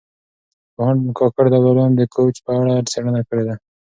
پوهاند کاکړ د ابدالیانو د کوچ په اړه څېړنه کړې ده.